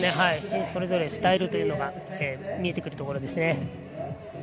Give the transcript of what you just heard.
選手それぞれスタイルというのが見えてくるところですね。